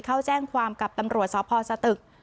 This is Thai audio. เข้าแจ้งความกับตำรวจสพสตึก